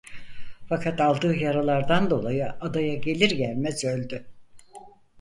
Fakat aldığı yaralardan dolayı adaya gelir gelmez öldü.